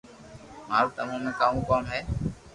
مارو تمو ۾ ڪاؤ ڪوم ھي